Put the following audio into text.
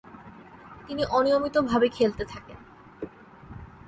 তিনি অনিয়মিতভাবে খেলতে থাকেন।